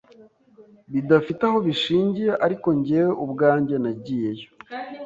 bidafite aho bishingiye ariko njyewe ubwanjye nagiyeyo